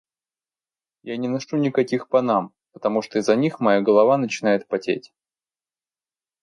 Я не ношу никаких панам, потому что из-за них моя голова начинает потеть.